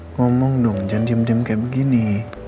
ngomong dong jangan diem diem kayak begini